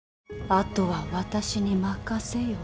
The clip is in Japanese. あとは私に任せよ。